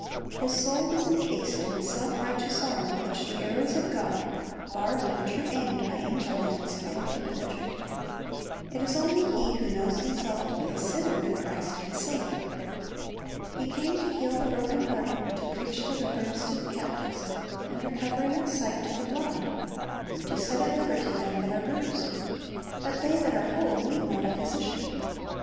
His soul was encased in a self righteous armor which the arrows of God, barbed and true aimed by angel hands, failed to penetrate. It is only he who knows himself to be a sinner that Christ can save. He came "to heal the broken hearted, to preach deliverance to the captives, and recovering of sight to the blind, to set at liberty them that are bruised."" But "they that are whole need not a physician."''